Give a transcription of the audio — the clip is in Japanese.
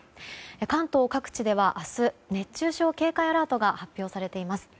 関東各地では明日、熱中症警戒アラートが発表されています。